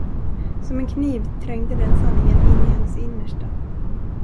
Som en kniv trängde den sanningen in i hennes innersta.